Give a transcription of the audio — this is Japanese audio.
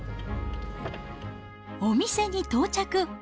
お店に到着。